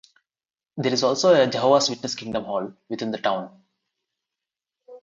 There is also a Jehovah's Witness Kingdom Hall within the town.